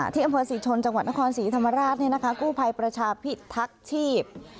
ที่อันพลังสีชนจังหวัดนครศรีธรรมราชเนี้ยนะคะกู้ภัยประชาพิษทักชีพ